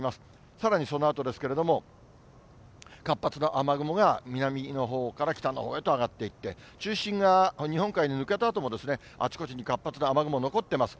さらにそのあとですけれども、活発な雨雲が南のほうから北のほうへと上がっていって、中心が日本海に抜けたあとも、あちこちに活発な雨雲残ってます。